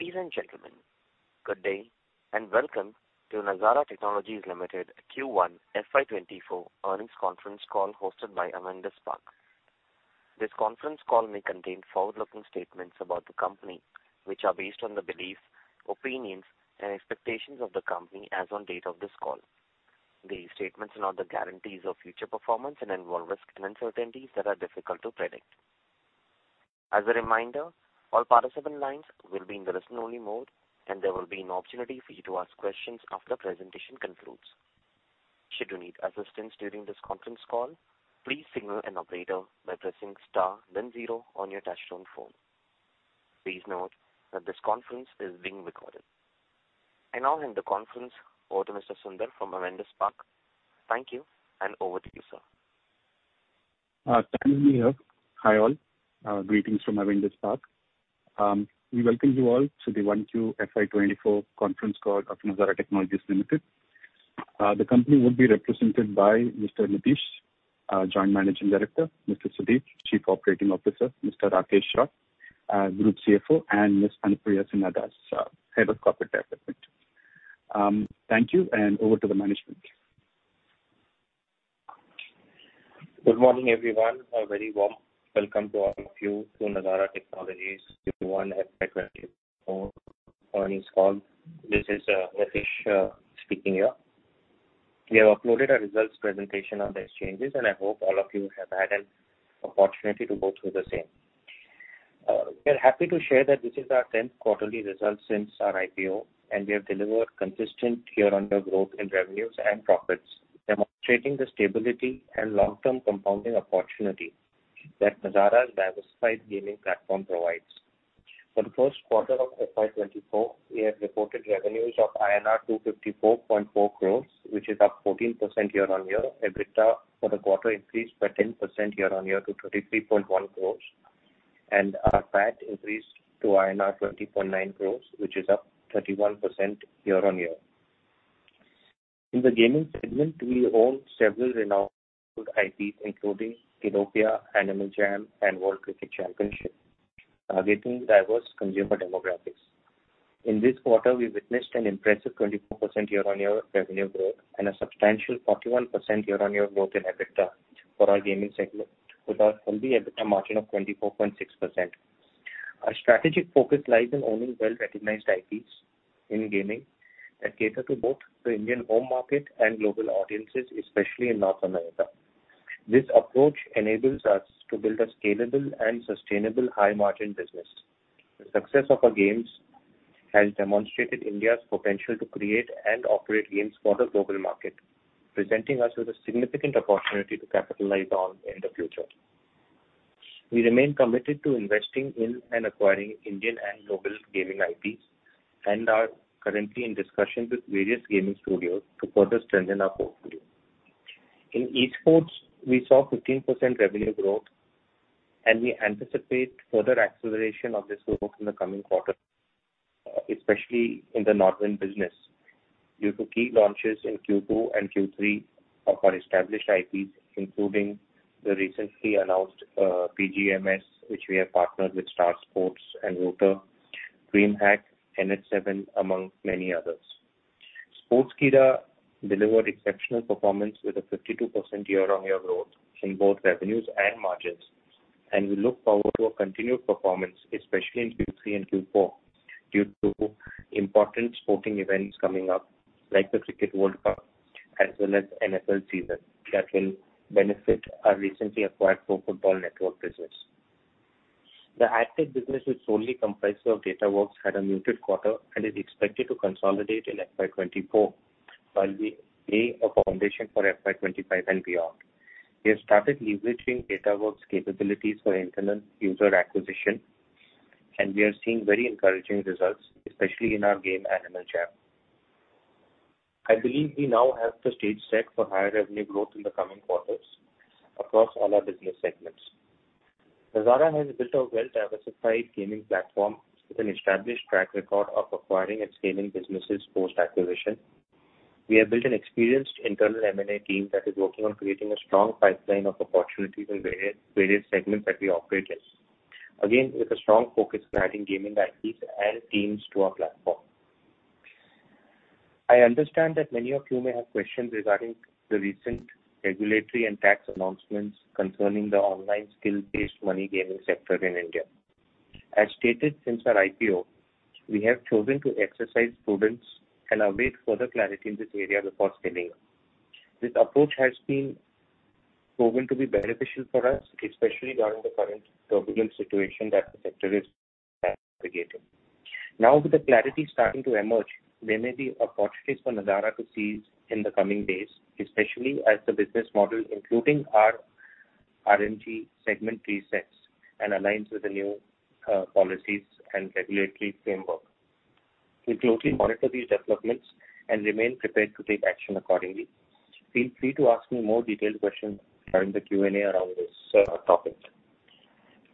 Ladies and gentlemen, good day and welcome to Nazara Technologies Limited Q1 FY24 earnings conference call hosted by Avendus Spark. This conference call may contain forward-looking statements about the company which are based on the beliefs, opinions, and expectations of the company as on date of this call. These statements are not the guarantees of future performance and involve risks and uncertainties that are difficult to predict. As a reminder, all participant lines will be in the listen-only mode and there will be an opportunity for you to ask questions after the presentation concludes. Should you need assistance during this conference call, please signal an operator by pressing star then zero on your touch-tone phone. Please note that this conference is being recorded. I now hand the conference over to Mr. Sundar from Avendus Spark. Thank you and over to you, sir. Hi all. Greetings from Avendus Spark. We welcome you all to the 1Q FY24 conference call of Nazara Technologies Limited. The company would be represented by Mr. Nitish Mittersain, Joint Managing Director, Mr. Sudhir Kamath, Chief Operating Officer, Mr. Rakesh Shah, Group CFO, and Ms. Anupriya Sinha Das, Head of Corporate Development. Thank you and over to the management. Good morning, everyone. A very warm welcome to all of you to Nazara Technologies Q1 FY24 earnings call. This is Nitish speaking here. We have uploaded our results presentation on the exchanges and I hope all of you have had an opportunity to go through the same. We are happy to share that this is our 10th quarterly results since our IPO and we have delivered consistent year-on-year growth in revenues and profits demonstrating the stability and long-term compounding opportunity that Nazara's diversified gaming platform provides. For the first quarter of FY24, we have reported revenues of INR 254.4 crores which is up 14% year-on-year. EBITDA for the quarter increased by 10% year-on-year to 33.1 crores and our PAT increased to INR 20.9 crores which is up 31% year-on-year. In the gaming segment, we own several renowned IPs including Kiddopia, Animal Jam, and World Cricket Championship targeting diverse consumer demographics. In this quarter, we witnessed an impressive 24% year-on-year revenue growth and a substantial 41% year-on-year growth in EBITDA for our gaming segment with our healthy EBITDA margin of 24.6%. Our strategic focus lies in owning well-recognized IPs in gaming that cater to both the Indian home market and global audiences especially in North America. This approach enables us to build a scalable and sustainable high-margin business. The success of our games has demonstrated India's potential to create and operate games for the global market presenting us with a significant opportunity to capitalize on in the future. We remain committed to investing in and acquiring Indian and global gaming IPs and are currently in discussion with various gaming studios to further strengthen our portfolio. In esports, we saw 15% revenue growth and we anticipate further acceleration of this growth in the coming quarter especially in the NODWIN business due to key launches in Q2 and Q3 of our established IPs including the recently announced, BGMS which we have partnered with Star Sports and Rooter, DreamHack, NH7 among many others. Sportskeeda delivered exceptional performance with a 52% year-on-year growth in both revenues and margins and we look forward to a continued performance especially in Q3 and Q4 due to important sporting events coming up like the Cricket World Cup as well as NFL season that will benefit our recently acquired Pro Football Network business. The AdTech business which solely comprises Datawrkz had a muted quarter and is expected to consolidate in FY24 while we lay a foundation for FY25 and beyond. We have started leveraging Datawrkz capabilities for internal user acquisition and we are seeing very encouraging results especially in our game Animal Jam. I believe we now have the stage set for higher revenue growth in the coming quarters across all our business segments. Nazara has built a well-diversified gaming platform with an established track record of acquiring and scaling businesses post-acquisition. We have built an experienced internal M&A team that is working on creating a strong pipeline of opportunities in various segments that we operate in again with a strong focus on adding gaming IPs and teams to our platform. I understand that many of you may have questions regarding the recent regulatory and tax announcements concerning the online skill-based money gaming sector in India. As stated since our IPO, we have chosen to exercise prudence and await further clarity in this area before scaling up. This approach has been proven to be beneficial for us especially during the current turbulent situation that the sector is navigating. Now with the clarity starting to emerge, there may be opportunities for Nazara to seize in the coming days especially as the business model including our RMG segment resets and aligns with the new policies and regulatory framework. We'll closely monitor these developments and remain prepared to take action accordingly. Feel free to ask me more detailed questions during the Q&A around this topic.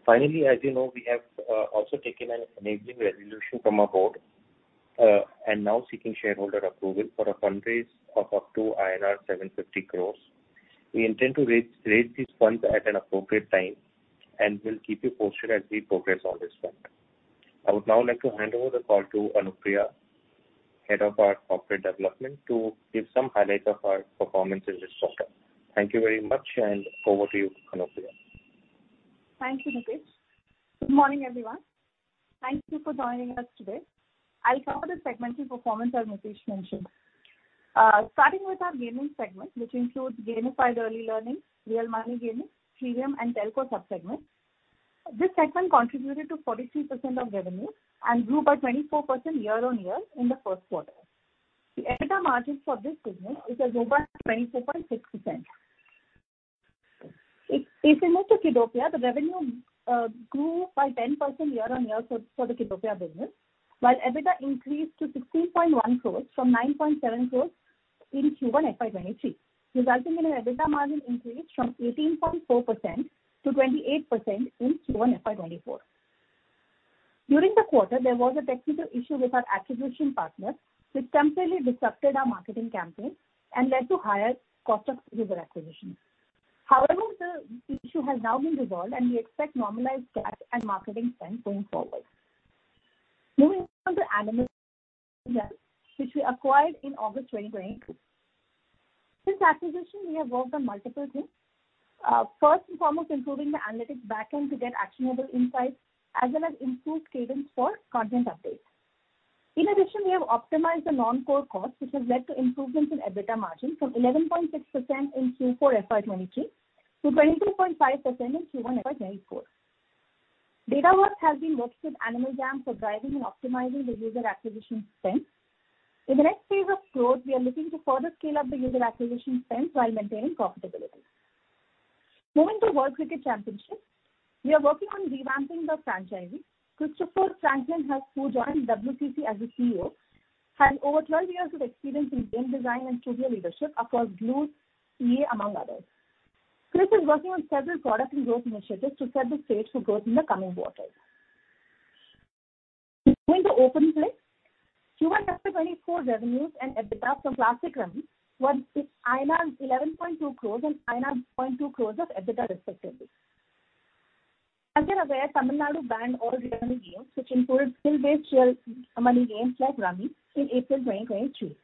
Finally, as you know, we have also taken an enabling resolution from our board, and now seeking shareholder approval for a fundraise of up to INR 750 crores. We intend to raise these funds at an appropriate time and we'll keep you posted as we progress on this front. I would now like to hand over the call to Anupriya, Head of our Corporate Development, to give some highlights of our performance in this quarter. Thank you very much and over to you, Anupriya. Thank you, Nitish. Good morning, everyone. Thank you for joining us today. I'll cover the segmental performance our Nitish mentioned, starting with our gaming segment which includes gamified early learning, real money gaming, freemium, and telco subsegments. This segment contributed to 43% of revenue and grew by 24% year-on-year in the first quarter. The EBITDA margin for this business is as low as 24.6%. If you look at Kiddopia, the revenue grew by 10% year-on-year for the Kiddopia business while EBITDA increased to 16.1 crore from 9.7 crore in Q1 FY 2023 resulting in an EBITDA margin increase from 18.4%-28% in Q1 FY 2024. During the quarter, there was a technical issue with our attribution partner which temporarily disrupted our marketing campaign and led to higher cost of user acquisition. However, the issue has now been resolved and we expect normalized CAC and marketing spend going forward. Moving on to Animal Jam which we acquired in August 2022. Since acquisition, we have worked on multiple things. First and foremost improving the analytics backend to get actionable insights as well as improved cadence for content updates. In addition, we have optimized the non-core cost which has led to improvements in EBITDA margin from 11.6% in Q4 FY23 to 22.5% in Q1 FY24. Datawrkz has been worked with Animal Jam for driving and optimizing the user acquisition spend. In the next phase of growth, we are looking to further scale up the user acquisition spend while maintaining profitability. Moving to World Cricket Championship, we are working on revamping the franchise. Christopher Franklin has co-joined WCC as the CEO. Has over 12 years of experience in game design and studio leadership across Glu Mobile, EA among others. Chris is working on several product and growth initiatives to set the stage for growth in the coming quarters. Moving to OpenPlay, Q1 FY24 revenues and EBITDA from Classic Rummy were INR 11.2 crores and INR 0.2 crores of EBITDA respectively. As you're aware, Tamil Nadu banned all real money games which included skill-based real money games like rummy in April 2023.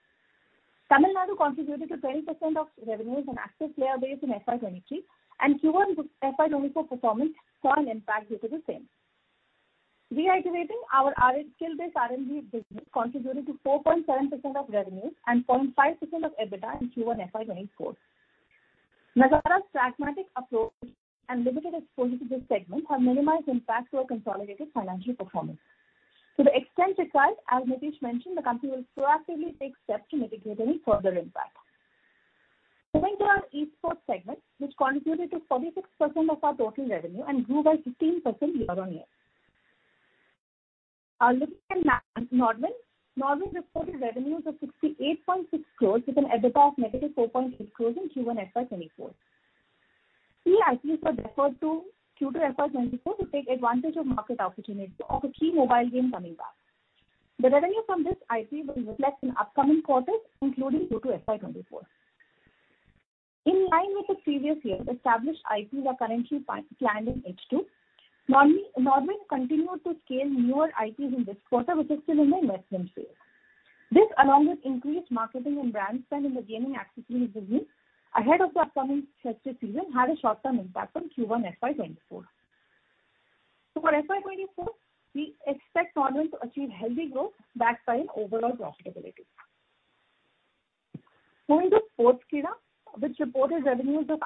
Tamil Nadu contributed to 20% of revenues and active player base in FY23 and Q1 FY24 performance saw an impact due to the same. Reactivating our skill-based RMG business contributed to 4.7% of revenues and 0.5% of EBITDA in Q1 FY24. Nazara's pragmatic approach and limited exposure to this segment have minimized impact to our consolidated financial performance. To the extent required, as Nitish mentioned, the company will proactively take steps to mitigate any further impact. Moving to our esports segment which contributed to 46% of our total revenue and grew by 15% year-on-year. Looking at NODWIN Gaming, NODWIN Gaming reported revenues of 68.6 crores with an EBITDA of -4.8 crores in Q1 FY2024. Key IPs were deferred to Q2 FY2024 to take advantage of market opportunity of a key mobile game coming back. The revenue from this IP will reflect in upcoming quarters including Q2 FY2024. In line with the previous year, established IPs are currently planned in H2. continued to scale newer IPs in this quarter which is still in the investment phase. This along with increased marketing and brand spend in the gaming accessories business ahead of the upcoming festive season had a short-term impact on Q1 FY2024. So for FY2024, we expect NODWIN Gaming to achieve healthy growth backed by an overall profitability. Moving to Sportskeeda which reported revenues of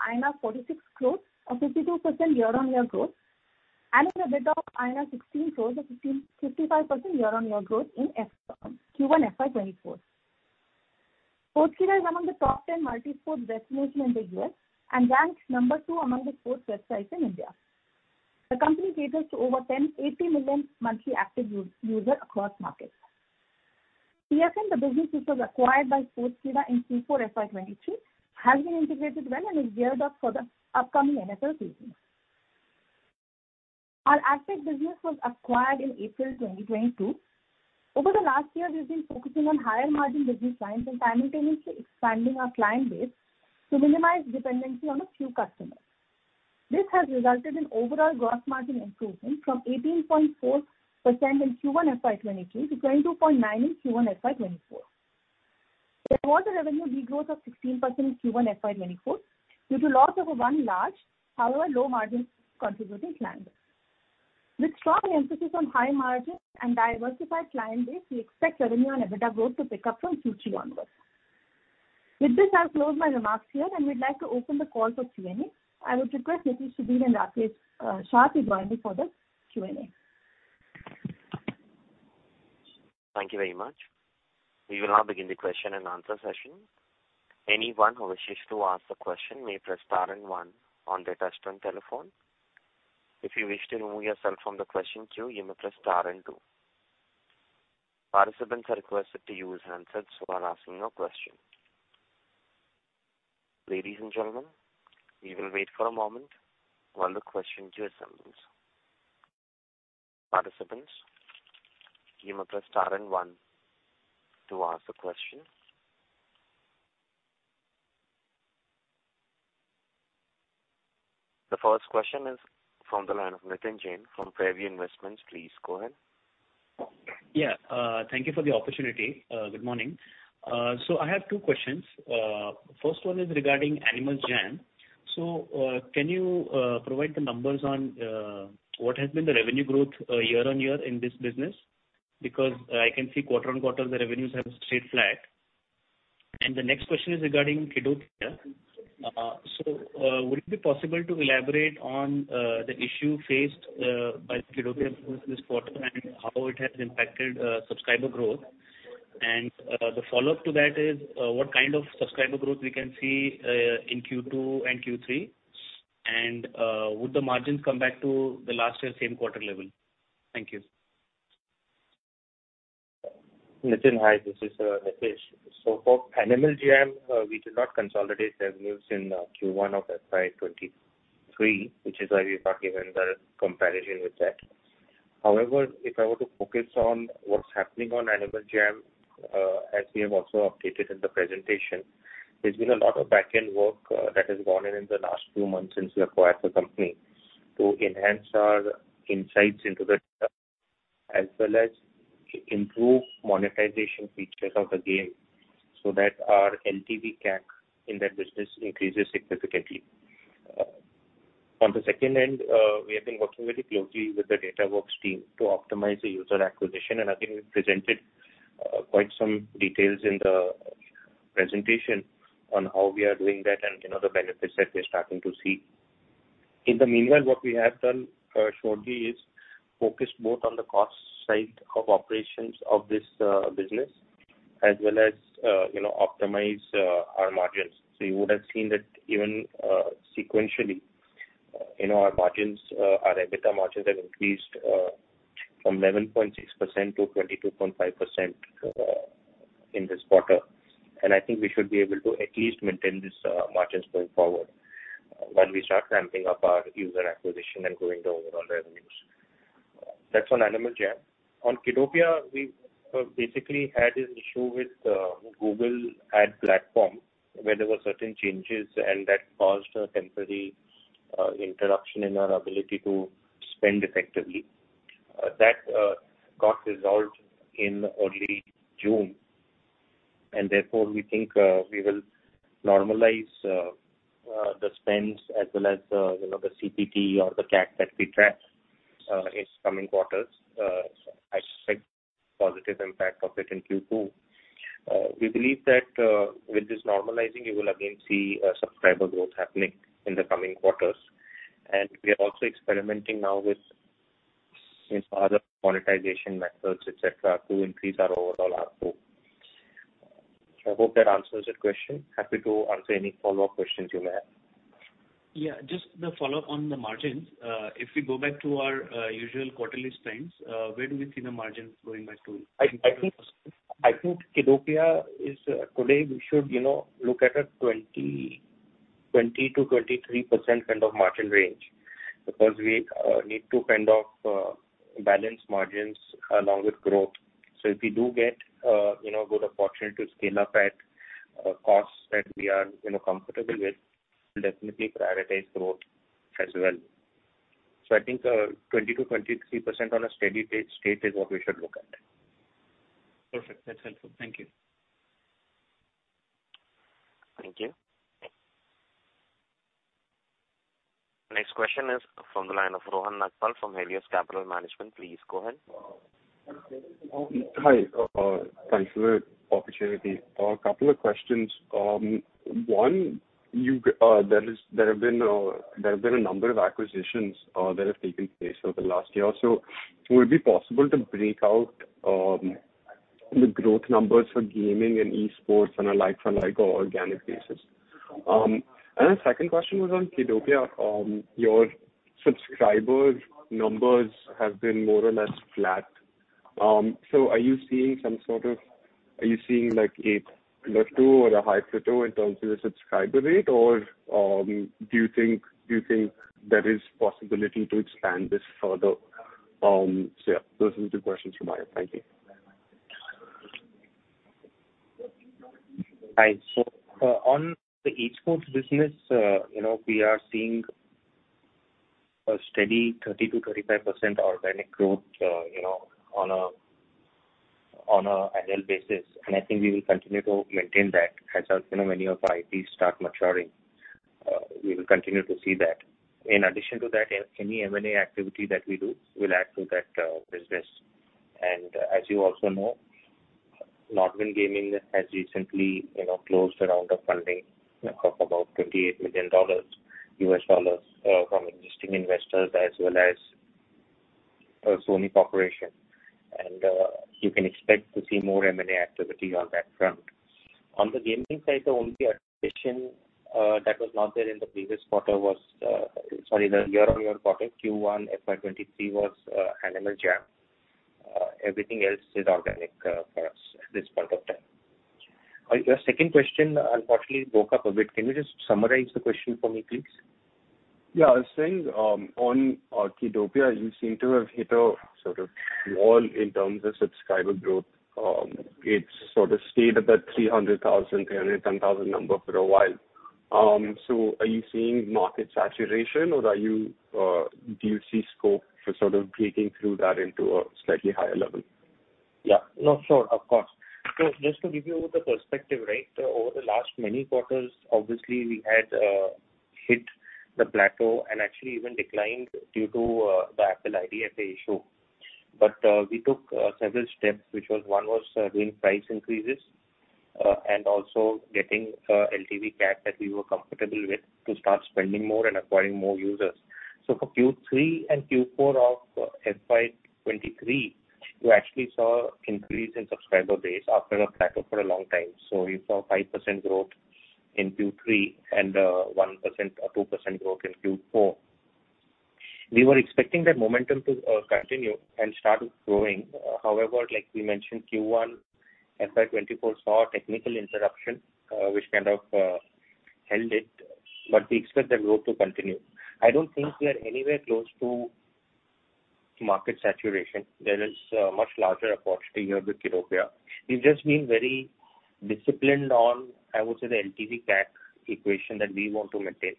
46 crores, a 52% year-on-year growth, and an EBITDA of 16 crores, a 55% year-on-year growth in Q1 FY24. Sportskeeda is among the top 10 multisports destinations in the U.S. and ranks number two among the sports websites in India. The company caters to over 108 million monthly active users across markets. PFN, the business which was acquired by Sportskeeda in Q4 FY23, has been integrated well and is geared up for the upcoming NFL season. Our active business was acquired in April 2022. Over the last year, we've been focusing on higher-margin business clients and simultaneously expanding our client base to minimize dependency on a few customers. This has resulted in overall gross margin improvement from 18.4% in Q1 FY23 to 22.9% in Q1 FY24. There was a revenue degrowth of 16% in Q1 FY24 due to loss of one large, however low-margin contributing client. With strong emphasis on high margin and diversified client base, we expect revenue and EBITDA growth to pick up from Q3 onwards. With this, I'll close my remarks here and we'd like to open the call for Q&A. I would request Nitish, Sudhir, and Rakesh Shah to join me for the Q&A. Thank you very much. We will now begin the question and answer session. Anyone who wishes to ask a question may press star and one on their touchscreen telephone. If you wish to remove yourself from the question queue, you may press star and two. Participants are requested to use hands up while asking your question. Ladies and gentlemen, we will wait for a moment while the question queue assembles. Participants, you may press star and one to ask the question. The first question is from the line of Nitin Jain from FairView Investments. Please go ahead. Yeah. Thank you for the opportunity. Good morning. So I have two questions. First one is regarding Animal Jam. So, can you provide the numbers on what has been the revenue growth, year-on-year in this business? Because I can see quarter-on-quarter the revenues have stayed flat. And the next question is regarding Kiddopia. So, would it be possible to elaborate on the issue faced by Kiddopia business this quarter and how it has impacted subscriber growth? And the follow-up to that is, what kind of subscriber growth we can see in Q2 and Q3? And would the margins come back to the last year same quarter level? Thank you. Nitin, hi. This is Nitish. So for Animal Jam, we did not consolidate revenues in Q1 of FY23, which is why we've not given the comparison with that. However, if I were to focus on what's happening on Animal Jam, as we have also updated in the presentation, there's been a lot of backend work that has gone in in the last few months since we acquired the company to enhance our insights into the data as well as improve monetization features of the game so that our LTV CAC in that business increases significantly. On the second end, we have been working very closely with the Datawrkz team to optimize the user acquisition. And again, we presented quite some details in the presentation on how we are doing that and, you know, the benefits that we're starting to see. In the meanwhile, what we have done shortly is focused both on the cost side of operations of this business as well as, you know, optimize our margins. So you would have seen that even sequentially, you know, our margins, our EBITDA margins have increased from 11.6%-22.5% in this quarter. And I think we should be able to at least maintain this margins going forward while we start ramping up our user acquisition and growing the overall revenues. That's on Animal Jam. On Kiddopia, we basically had an issue with Google Ad Platform where there were certain changes and that caused a temporary interruption in our ability to spend effectively. That got resolved in early June. And therefore, we think we will normalize the spends as well as, you know, the CPT or the CAC that we track in coming quarters. I expect positive impact of it in Q2. We believe that, with this normalizing, you will again see subscriber growth happening in the coming quarters. We are also experimenting now with, you know, other monetization methods, etc., to increase our overall output. I hope that answers your question. Happy to answer any follow-up questions you may have. Yeah. Just the follow-up on the margins. If we go back to our usual quarterly spends, where do we see the margins going back to? I think Kiddopia today, we should, you know, look at a 20%-23% kind of margin range because we need to kind of balance margins along with growth. So if we do get, you know, a good opportunity to scale up at costs that we are, you know, comfortable with, we'll definitely prioritize growth as well. So I think 20%-23% on a steady state is what we should look at. Perfect. That's helpful. Thank you. Thank you. Next question is from the line of Rohan Nagpal from Helios Capital Management. Please go ahead. Hi. Thanks for the opportunity. A couple of questions. One, there have been a number of acquisitions that have taken place over the last year. So would it be possible to break out the growth numbers for gaming and esports on a like-for-like or organic basis? And the second question was on Kiddopia. Your subscriber numbers have been more or less flat. So are you seeing, like, a plateau or a high plateau in terms of the subscriber rate? Or do you think there is possibility to expand this further? So yeah, those are the two questions from my end. Thank you. Hi. So, on the esports business, you know, we are seeing a steady 30%-35% organic growth, you know, on an annual basis. And I think we will continue to maintain that as, you know, many of our IPs start maturing. We will continue to see that. In addition to that, any M&A activity that we do will add to that business. And as you also know, NODWIN Gaming has recently, you know, closed a round of funding of about $28 million from existing investors as well as Sony Corporation. And you can expect to see more M&A activity on that front. On the gaming side, the only addition that was not there in the previous quarter was, sorry, the year-on-year quarter Q1 FY23 was Animal Jam. Everything else is organic for us at this point of time. your second question, unfortunately, broke up a bit. Can you just summarize the question for me, please? Yeah. I was saying, on Kiddopia, you seem to have hit a sort of wall in terms of subscriber growth. It's sort of stayed at that 300,000-310,000 number for a while. So are you seeing market saturation or are you do you see scope for sort of breaking through that into a slightly higher level? Yeah. No, sure. Of course. So just to give you the perspective, right, over the last many quarters, obviously, we had hit the plateau and actually even declined due to the Apple IDFA issue. But we took several steps which was one was doing price increases, and also getting LTV CAC that we were comfortable with to start spending more and acquiring more users. So for Q3 and Q4 of FY23, you actually saw an increase in subscriber base after a plateau for a long time. So you saw 5% growth in Q3 and 1% or 2% growth in Q4. We were expecting that momentum to continue and start growing. However, like we mentioned, Q1 FY24 saw a technical interruption, which kind of held it. But we expect that growth to continue. I don't think we are anywhere close to market saturation. There is a much larger opportunity here with Kiddopia. We've just been very disciplined on, I would say, the LTV CAC equation that we want to maintain.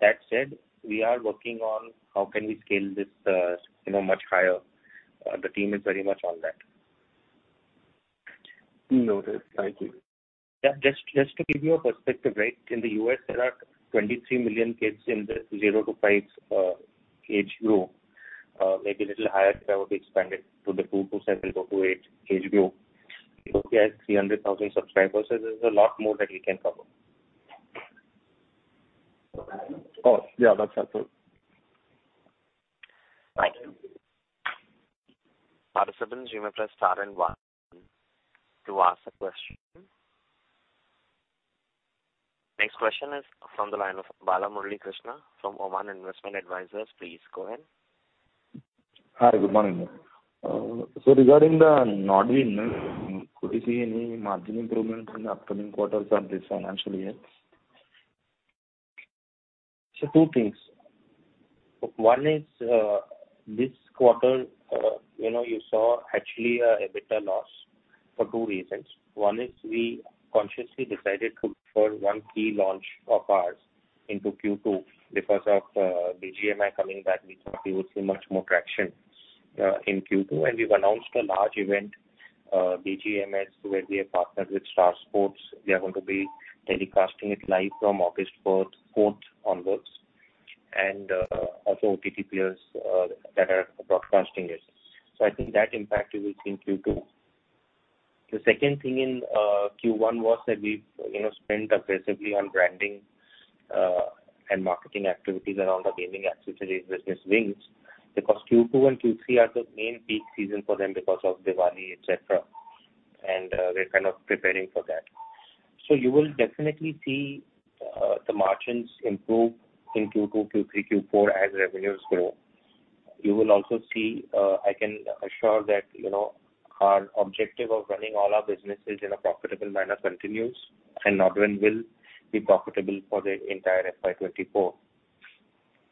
That said, we are working on how can we scale this, you know, much higher. The team is very much on that. Noted. Thank you. Yeah. Just, just to give you a perspective, right, in the U.S., there are 23 million kids in the 0-5 age group. Maybe a little higher if I were to expand it to the 2-7, 2-8 age group. Kiddopia has 300,000 subscribers. So there's a lot more that we can cover. Oh, yeah. That's helpful. Thank you. Participants, you may press star and one to ask a question. Next question is from the line of Balamurali Krishna from Oman Investment Advisors. Please go ahead. Hi. Good morning, Nitin. So regarding the NODWIN, could you see any margin improvements in the upcoming quarters of this financial year? So two things. One is, this quarter, you know, you saw actually a bit of loss for two reasons. One is we consciously decided to defer one key launch of ours into Q2 because of BGMI coming back. We thought we would see much more traction in Q2. And we've announced a large event, BGMS where we are partnered with Star Sports. They are going to be telecasting it live from August 4th onwards. And also OTT players that are broadcasting it. So I think that impact you will see in Q2. The second thing in Q1 was that we've, you know, spent aggressively on branding and marketing activities around the gaming accessories business Wings because Q2 and Q3 are the main peak season for them because of Diwali, etc. And we're kind of preparing for that. So you will definitely see, the margins improve in Q2, Q3, Q4 as revenues grow. You will also see, I can assure that, you know, our objective of running all our businesses in a profitable manner continues. And NODWIN will be profitable for the entire FY24.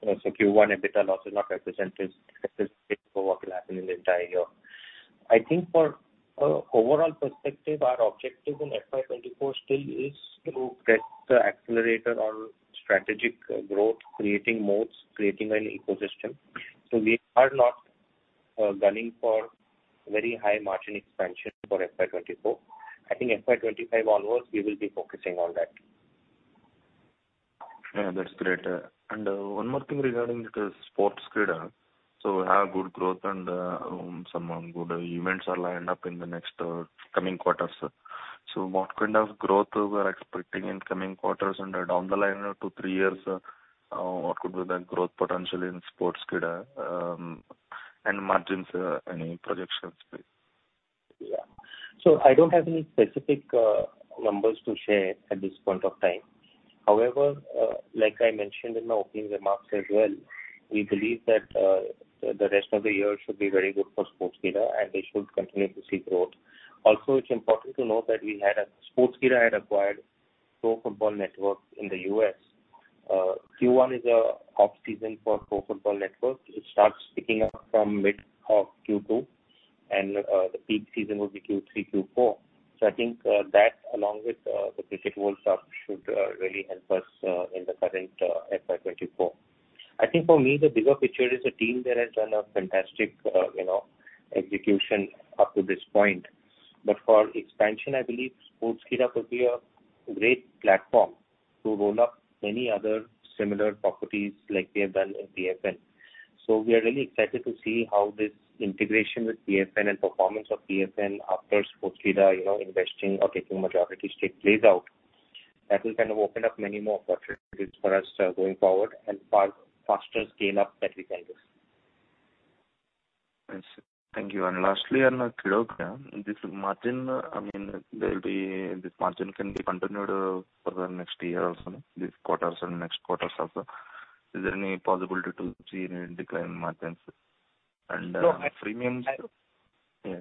So Q1, a bit of loss is not representative for what will happen in the entire year. I think for an overall perspective, our objective in FY24 still is to press the accelerator on strategic growth, creating modes, creating an ecosystem. So we are not, gunning for very high margin expansion for FY24. I think FY25 onwards, we will be focusing on that. Yeah. That's great. And, one more thing regarding Sportskeeda. So we have good growth and, some good events are lined up in the next coming quarters. So what kind of growth we are expecting in coming quarters and, down the line to three years, what could be the growth potential in Sportskeeda, and margins, any projections, please? Yeah. So I don't have any specific numbers to share at this point of time. However, like I mentioned in my opening remarks as well, we believe that the rest of the year should be very good for Sportskeeda. And they should continue to see growth. Also, it's important to note that Sportskeeda had acquired Pro Football Network in the US. Q1 is an off-season for Pro Football Network. It starts picking up from mid of Q2. And the peak season would be Q3, Q4. So I think that along with the Cricket World Cup should really help us in the current FY24. I think for me, the bigger picture is a team that has done a fantastic, you know, execution up to this point. For expansion, I believe Sportskeeda could be a great platform to roll up many other similar properties like we have done in PFN. We are really excited to see how this integration with PFN and performance of PFN after Sportskeeda, you know, investing or taking majority stake plays out. That will kind of open up many more opportunities for us, going forward and far faster scale-up that we can do. I see. Thank you. And lastly, on Kiddopia, this margin I mean, there'll be this margin can be continued, for the next year also, this quarters and next quarters also. Is there any possibility to see any decline in margins? And, premiums yeah.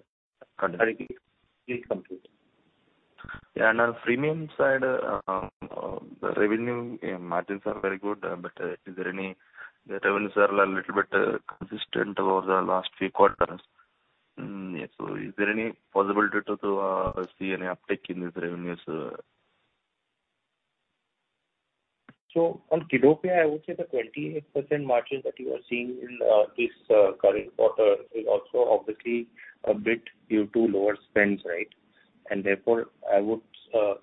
Continue. Are you complete? Yeah. On our premium side, the revenue margins are very good. But is there any the revenues are a little bit consistent over the last few quarters. Yeah. So is there any possibility to see any uptake in these revenues? So on Kiddopia, I would say the 28% margin that you are seeing in this current quarter is also obviously a bit due to lower spends, right? And therefore, I would,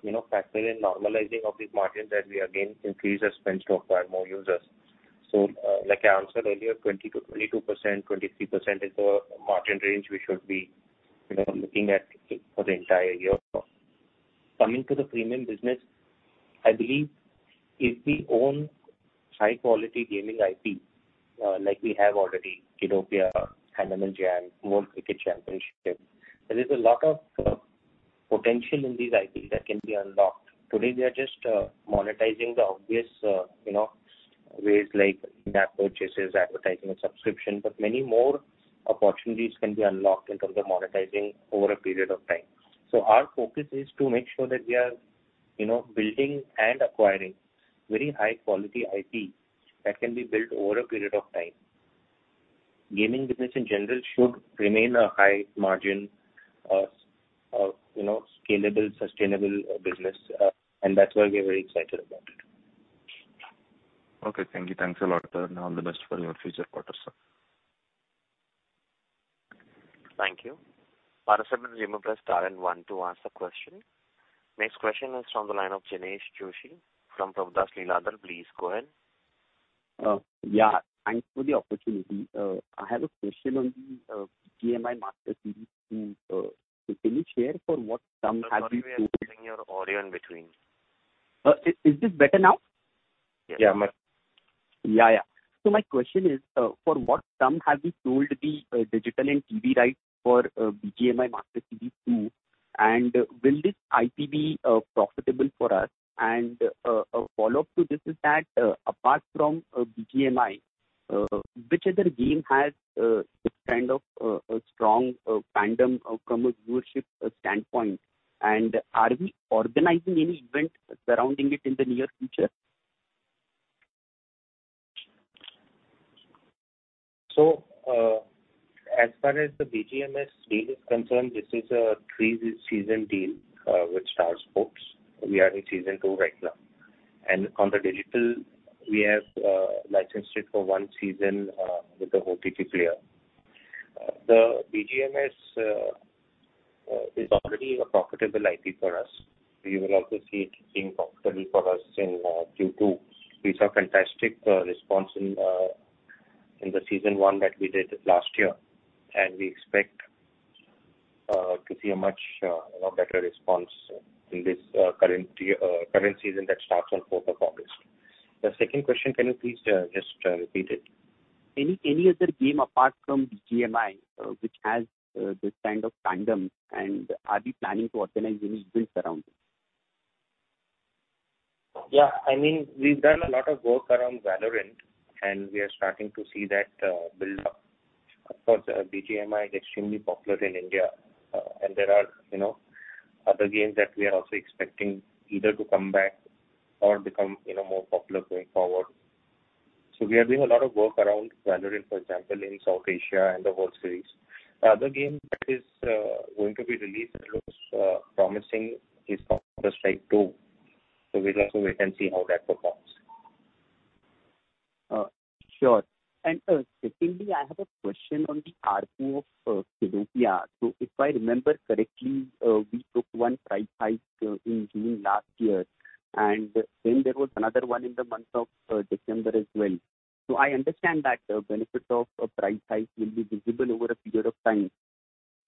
you know, factor in normalizing of these margins as we again increase our spends to acquire more users. So, like I answered earlier, 20%-22%, 23% is the margin range we should be, you know, looking at for the entire year. Coming to the premium business, I believe if we own high-quality gaming IP, like we have already, Kiddopia, Animal Jam, World Cricket Championship, there is a lot of potential in these IPs that can be unlocked. Today, we are just monetizing the obvious, you know, ways like app purchases, advertising, and subscription. But many more opportunities can be unlocked in terms of monetizing over a period of time. So our focus is to make sure that we are, you know, building and acquiring very high-quality IP that can be built over a period of time. Gaming business in general should remain a high-margin, you know, scalable, sustainable business. And that's why we are very excited about it. Okay. Thank you. Thanks a lot, sir. Now, all the best for your future quarters, sir. Thank you. Participants, you may press star and one to answer question. Next question is from the line of Jinesh Joshi from Prabhudas Lilladher. Please go ahead. Yeah. Thanks for the opportunity. I have a question on the BGMS. Can you share for what sum have we. I'm losing your audio in between. Is this better now? Yeah. Yeah. My yeah, yeah. So my question is, for what sum have we sold the digital and TV rights for BGMS? And will this IP be profitable for us? And a follow-up to this is that, apart from BGMI, which other game has this kind of a strong fandom from a viewership standpoint? And are we organizing any event surrounding it in the near future? So, as far as the BGMS deal is concerned, this is a three-season deal with Star Sports. We are in season two right now. And on the digital, we have licensed it for one season with the OTT player. The BGMS is already a profitable IP for us. We will also see it being profitable for us in Q2. We saw fantastic response in the season one that we did last year. We expect to see a much, you know, better response in this current year current season that starts on 4th of August. The second question, can you please just repeat it? Any other game apart from BGMI, which has this kind of fandom? And are we planning to organize any events around it? Yeah. I mean, we've done a lot of work around Valorant. We are starting to see that build up. Of course, BGMI is extremely popular in India. And there are, you know, other games that we are also expecting either to come back or become, you know, more popular going forward. So we are doing a lot of work around Valorant, for example, in South Asia and the World Series. The other game that is going to be released that looks promising is called Counter-Strike 2. So we'll also wait and see how that performs. Sure. And, secondly, I have a question on the ARPU of Kiddopia. So if I remember correctly, we took one price hike in June last year. And then there was another one in the month of December as well. So I understand that the benefit of a price hike will be visible over a period of time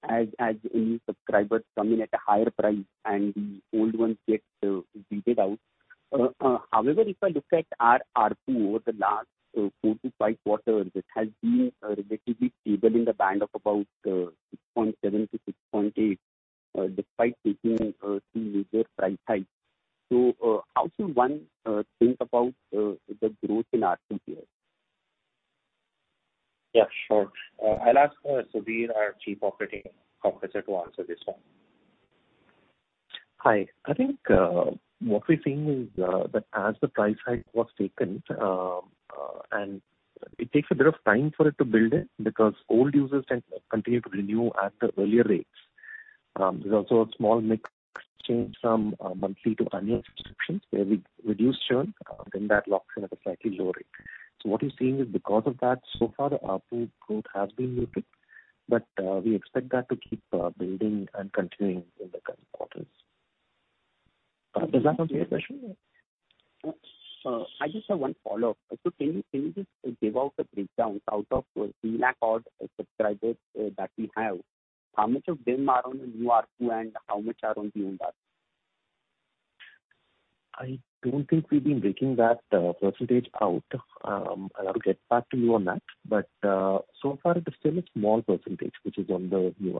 as new subscribers come in at a higher price and the old ones get weeded out. However, if I look at our ARPU over the last four to five quarters, it has been relatively stable in the band of about 6.7-6.8, despite taking two major price hikes. So, how should one think about the growth in ARPU here? Yeah. Sure. I'll ask Sudhir, our Chief Operating Officer, to answer this one. Hi. I think what we're seeing is that as the price hike was taken, and it takes a bit of time for it to build it because old users tend to continue to renew at the earlier rates. There's also a small mix change from monthly to annual subscriptions where we reduce churn. Then that locks in at a slightly lower rate. So what you're seeing is because of that, so far, the ARPU growth has been muted. But we expect that to keep building and continuing in the coming quarters. Does that answer your question? I just have one follow-up. So can you, can you just give out the breakdowns out of the that we have? How much of them are on the new ARPU and how much are on the old ARPU? I don't think we've been breaking that percentage out. And I'll get back to you on that. But so far, it's still a small percentage which is on the new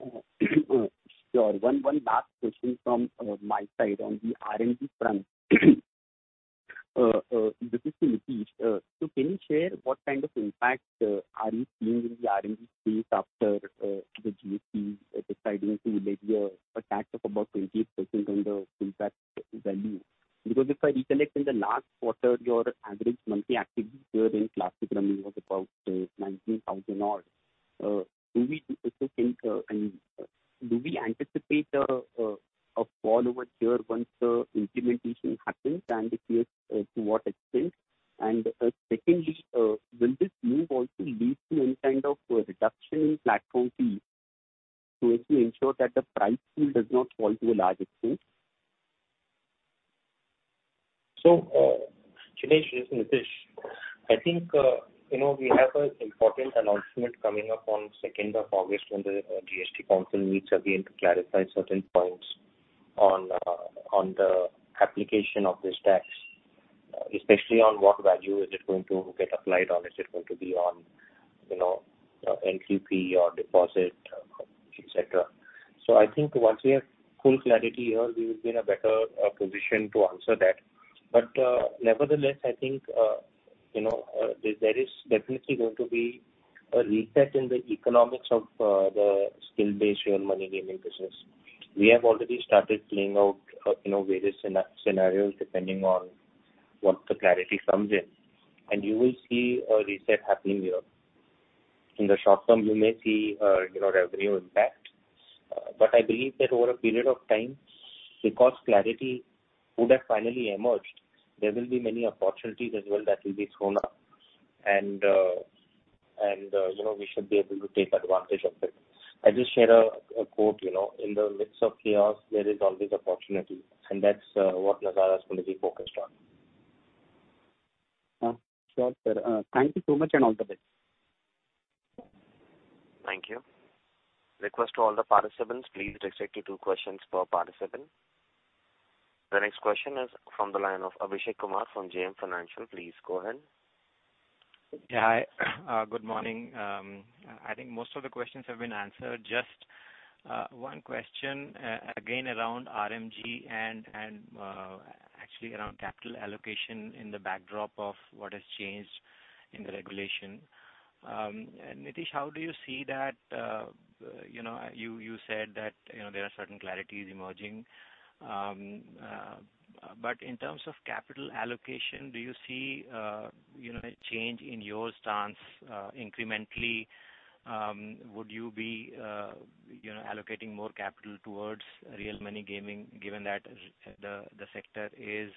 ARPU. Sure. One last question from my side on the RMG front. This is to Nitish. So can you share what kind of impact are you seeing in the RMG space after the GST deciding to levy a tax of about 28% on the face value? Because if I recollect in the last quarter, your average monthly activity here in Classic Rummy was about 19,000. I mean, do we anticipate a fall over here once the implementation happens? And if yes, to what extent? And secondly, will this move also lead to any kind of reduction in platform fees so as to ensure that the prize pool does not fall to a large extent? So, Jinesh, this is Nitish. I think, you know, we have an important announcement coming up on 2nd of August when the GST Council meets again to clarify certain points on the application of this tax, especially on what value is it going to get applied on? Is it going to be on, you know, entry fee or deposit, etc.? So I think once we have full clarity here, we would be in a better position to answer that. But, nevertheless, I think, you know, there is definitely going to be a reset in the economics of the skill-based real money gaming business. We have already started playing out, you know, various scenarios depending on what the clarity comes in. And you will see a reset happening here. In the short term, you may see, you know, revenue impact. But I believe that over a period of time, because clarity would have finally emerged, there will be many opportunities as well that will be thrown up. And, and, you know, we should be able to take advantage of it. I just share a, a quote, you know, "In the midst of chaos, there is always opportunity." And that's, what Nazara is going to be focused on. Sure, sir. Thank you so much. All the best. Thank you. Request to all the participants, please restrict to two questions per participant. The next question is from the line of Abhishek Kumar from JM Financial. Please go ahead. Yeah. Hi. Good morning. I think most of the questions have been answered. Just one question, again around RMG and actually around capital allocation in the backdrop of what has changed in the regulation. Nitish, how do you see that, you know, you said that, you know, there are certain clarities emerging. But in terms of capital allocation, do you see, you know, a change in your stance, incrementally? Would you be, you know, allocating more capital towards real money gaming given that the sector is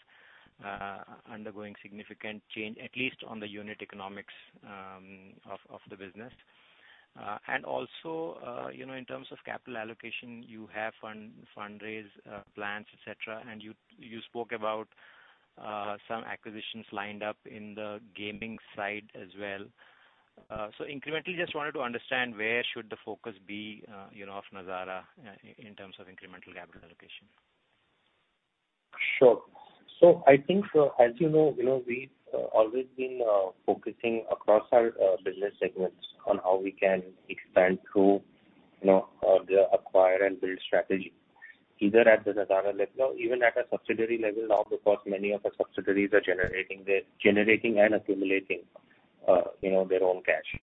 undergoing significant change, at least on the unit economics of the business? And also, you know, in terms of capital allocation, you have fundraise plans, etc. And you spoke about some acquisitions lined up in the gaming side as well. Incrementally, just wanted to understand where should the focus be, you know, of Nazara, in terms of incremental capital allocation? Sure. So I think, as you know, you know, we've always been focusing across our business segments on how we can expand through, you know, the acquire and build strategy, either at the Nazara level or even at a subsidiary level now because many of our subsidiaries are generating their generating and accumulating, you know, their own cash.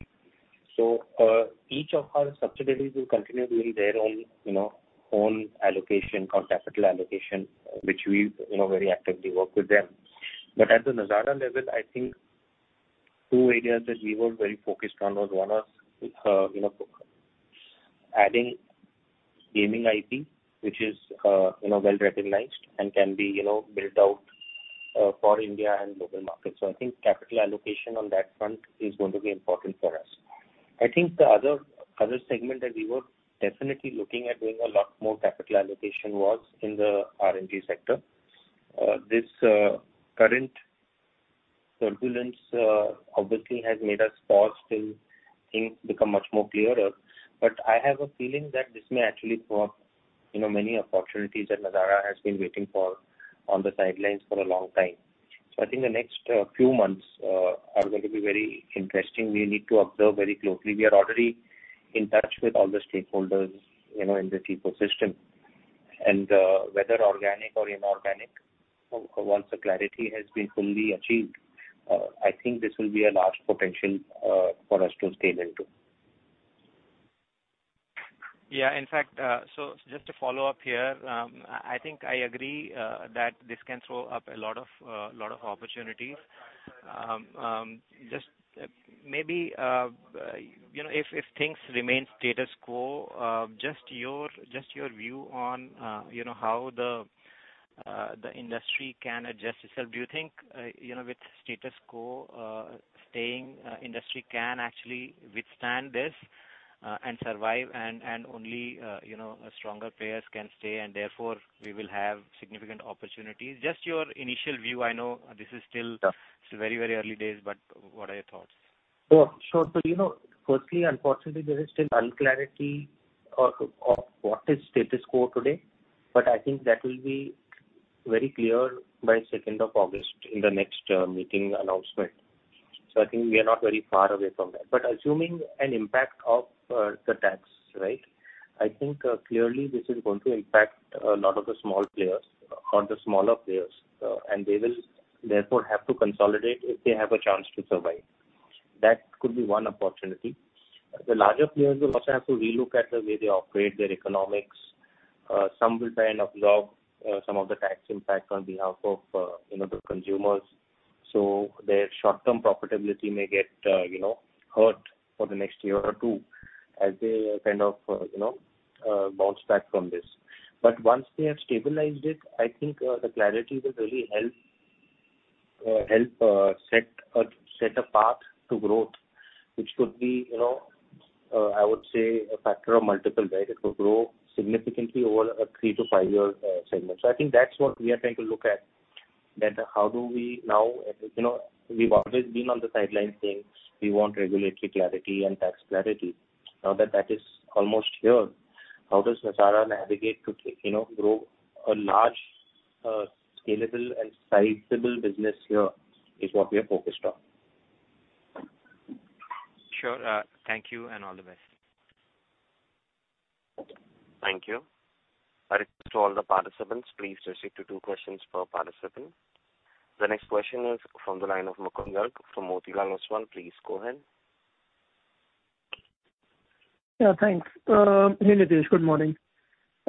So, each of our subsidiaries will continue doing their own, you know, own allocation or capital allocation, which we, you know, very actively work with them. But at the Nazara level, I think two areas that we were very focused on was one was, you know, adding gaming IP, which is, you know, well-recognized and can be, you know, built out for India and local markets. So I think capital allocation on that front is going to be important for us. I think the other other segment that we were definitely looking at doing a lot more capital allocation was in the RMG sector. This current turbulence obviously has made us pause till things become much more clearer. But I have a feeling that this may actually throw up, you know, many opportunities that Nazara has been waiting for on the sidelines for a long time. So I think the next few months are going to be very interesting. We need to observe very closely. We are already in touch with all the stakeholders, you know, in the ecosystem. And whether organic or inorganic, once the clarity has been fully achieved, I think this will be a large potential for us to scale into. Yeah. In fact, so just to follow up here, I think I agree that this can throw up a lot of, a lot of opportunities. Just, maybe, you know, if, if things remain status quo, just your just your view on, you know, how the, the industry can adjust itself. Do you think, you know, with status quo staying, industry can actually withstand this, and survive? And, and only, you know, stronger players can stay. And therefore, we will have significant opportunities. Just your initial view. I know this is still, it's very, very early days. But what are your thoughts? Sure, sure. So, you know, firstly, unfortunately, there is still uncertainty about what the status quo is today. But I think that will be very clear by 2nd of August in the next meeting announcement. So I think we are not very far away from that. But assuming an impact of the tax, right, I think clearly this is going to impact a lot of the small players or the smaller players. And they will therefore have to consolidate if they have a chance to survive. That could be one opportunity. The larger players will also have to relook at the way they operate, their economics. Some will try and absorb some of the tax impact on behalf of, you know, the consumers. So their short-term profitability may get, you know, hurt for the next year or two as they kind of, you know, bounce back from this. But once they have stabilized it, I think the clarity will really help set a path to growth, which could be, you know, I would say, a factor of multiple, right? It could grow significantly over a three- to five-year segment. So I think that's what we are trying to look at, that how do we now, you know, we've always been on the sidelines saying we want regulatory clarity and tax clarity. Now that that is almost here, how does Nazara navigate to, you know, grow a large, scalable and sizable business here is what we are focused on. Sure. Thank you. And all the best. Thank you and welcome to all the participants. Please limit to two questions per participant. The next question is from the line of Mukul Garg from Motilal Oswal. Please go ahead. Yeah. Thanks. Hey, Nitish. Good morning.